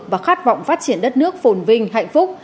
và khát vọng phát triển đất nước phồn vinh hạnh phúc